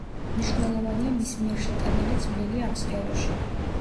მნიშვნელოვანია მის მიერ შეტანილი წვლილი ამ სფეროში.